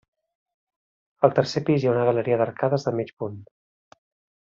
Al tercer pis hi ha una galeria d'arcades de mig punt.